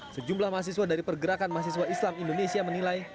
sejumlah mahasiswa dari pergerakan mahasiswa islam indonesia menilai